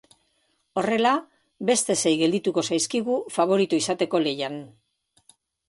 Horrela, beste sei geldituko zaizkigu faborito izateko lehian.